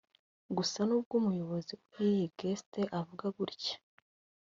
Gusa n’ubwo Umuyobozi w’iyi Guest avuga gutya